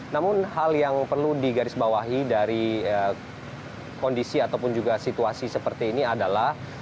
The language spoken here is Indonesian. namun hal yang perlu digarisbawahi dari kondisi ataupun juga situasi seperti ini adalah